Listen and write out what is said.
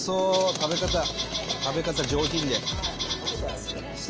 食べ方上品で。